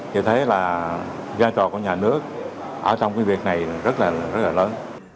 thì thấy là giai đoạn của nhà nước ở trong cái việc này rất là lớn